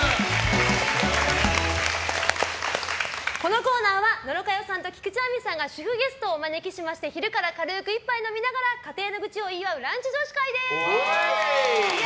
このコーナーは野呂佳代さんと菊地亜美さんが主婦ゲストをお招きして昼から軽く一杯飲みながら家庭の愚痴を言い合うランチ女子会です。